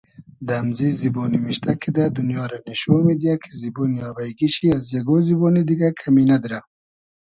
دۂ امزی زیبۉ نیمیشتۂ کیدۂ دونیا رۂ نیشۉ میدیۂ کی زیبۉنی آبݷ گی شی از یئگۉ زیبۉنی دیگۂ کئمی نئدرۂ